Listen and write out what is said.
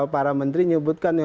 para menteri menyebutkan